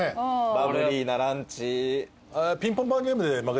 バブリーなランチ。